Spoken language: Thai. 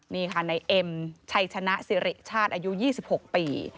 นี่ค่ะในเอ็มชัยชนะสิริชาติอายุ๒๖ปี